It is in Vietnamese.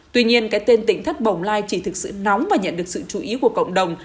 tuy nhiên cái tên tỉnh thất bồng lai chỉ thực sự nóng và nhận được sự chú ý của cộng đồng